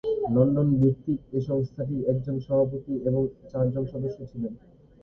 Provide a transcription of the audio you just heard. London ভিত্তিক এ সংস্থাটির একজন সভাপতি এবং চার জন সদস্য ছিলেন।